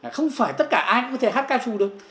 không phải tất cả ai cũng có thể hát ca trù được